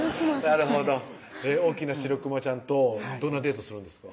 なるほど大きなシロクマちゃんとどんなデートするんですか？